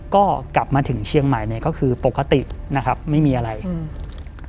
ก็กลับมาถึงเชียงใหม่เนี้ยก็คือปกตินะครับไม่มีอะไรอืม